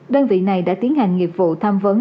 đơn vị này đã tiến hành nghiệp vụ tham vấn